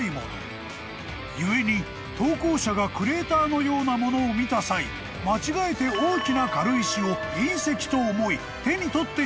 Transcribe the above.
［故に投稿者がクレーターのようなものを見た際間違えて大きな軽石を隕石と思い手に取ってしまったのかも］